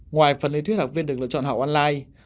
ngoài phần lý thuyết học viên được lựa chọn học online